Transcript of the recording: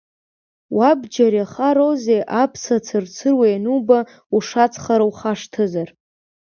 Уабџьар иахароузеи аԥса цырцыруа иануба ушаҵхара ухашҭызар.